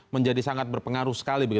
menjadi sangat berpengaruh sekali